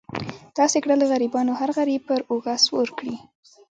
داسې کړه له غریبانو هر غریب پر اوږه سور کړي.